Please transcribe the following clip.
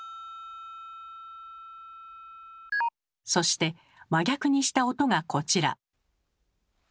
そして真逆にした音がこちら。